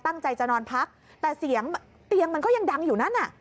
ตั้งใจจะนอนพักแต่เสียงเตียงมันก็ยังดังอยู่นั่นน่ะ